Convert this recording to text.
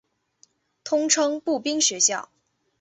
通称步兵学校。